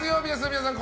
皆さん